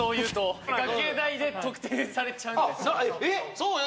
そうよ